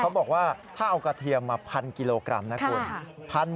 เขาบอกว่าถ้าเอากระเทียมมา๑๐๐กิโลกรัมนะคุณ